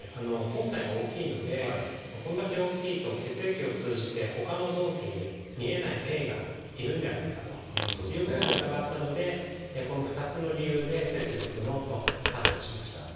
本体が大きいのでこれだけ大きいと血液を通じてほかの臓器に見えない転移がいるんではないかということも疑ったのでこの２つの理由で切除不能と判断しました。